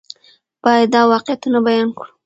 باید دا واقعیتونه بیان کړو.